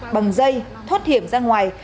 bằng dây thoát hiểm ra ngoài